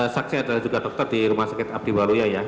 saksi adalah juga dokter di rumah sakit abdi waluya ya